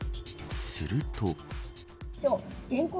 すると。